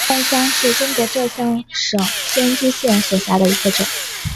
大战乡是中国浙江省仙居县所辖的一个镇。